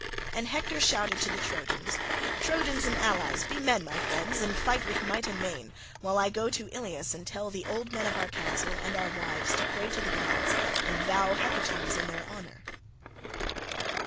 And Hector shouted to the Trojans, "Trojans and allies, be men, my friends, and fight with might and main, while I go to Ilius and tell the old men of our council and our wives to pray to the gods and vow hecatombs in their honour."